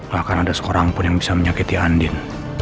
bahkan ada seorang pun yang bisa menyakiti andin